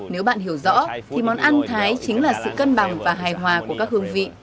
nếu bạn hiểu rõ thì món ăn thái chính là sự cân bằng và hài hòa của các hương vị